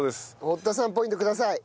堀田さんポイントください！